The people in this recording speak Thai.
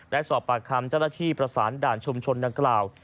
สอบปากคำเจ้าหน้าที่ประสานด่านชุมชนดังกล่าว